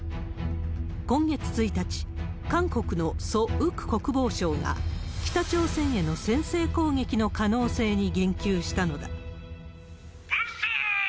今月１日、韓国のソ・ウク国防相が、北朝鮮への先制攻撃の可能性に言及したのだ。